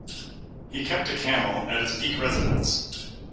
He kept a camel at his peak residence.